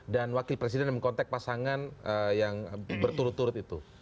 dan wakil presiden yang mengontek pasangan yang berturut turut itu